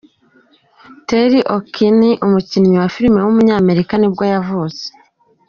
Terry O'Quinn, umukinnyi wa filime w’umunyamerika nibwo yavutse.